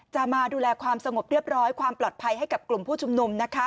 มาดูแลความสงบเรียบร้อยความปลอดภัยให้กับกลุ่มผู้ชุมนุม